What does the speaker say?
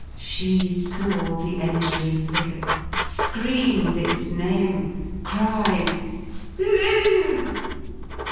She saw the entering figure; screamed its name; cried 'Lilian!